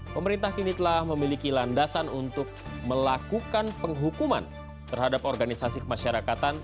pemerintah kini telah memiliki landasan untuk melakukan penghukuman terhadap organisasi kemasyarakatan